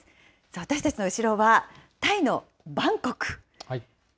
私たちの後ろは、タイのバンコク。